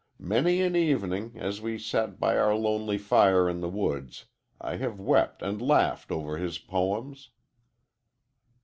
Many an evening, as we sat by our lonely fire in the woods, I have wept and laughed over his poems."